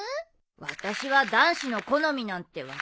私は男子の好みなんて分かんないよ。